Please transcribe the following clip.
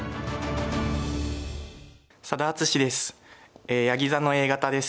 佐田篤史です。